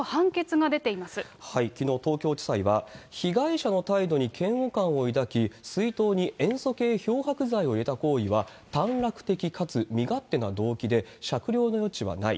きのう、東京地裁は被害者の態度に嫌悪感を抱き、水筒に塩素系漂白剤を入れた行為は、短絡的かつ身勝手な動機で、酌量の余地はない。